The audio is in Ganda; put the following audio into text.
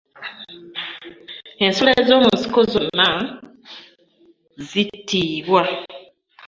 Ensolo ez'omunsiko zonna zitiibwa.